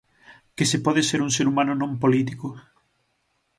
Que se pode ser un ser humano non político.